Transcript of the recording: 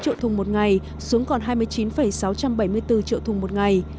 ba triệu thùng một ngày xuống còn hai mươi chín sáu trăm bảy mươi bốn triệu thùng một ngày